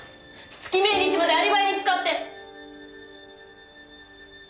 月命日までアリバイに使って。